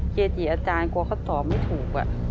เกจิอาจารย์กลัวเขาตอบไม่ถูก